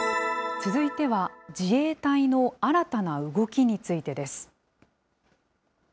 続いては、自衛隊の新たな動きについてです。